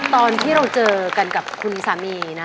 ตอนที่เราเจอกันกับคุณสามีนะ